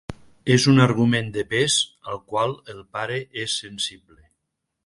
És un argument de pes, al qual el pare és sensible.